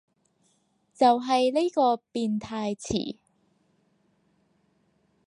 就係呢個變態詞